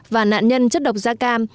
và nạn nhân chất độc da cam